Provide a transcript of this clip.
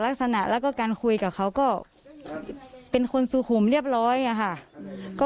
ลักษณะแล้วก็การคุยกับเขาก็เป็นคนสุขุมเรียบร้อยอะค่ะ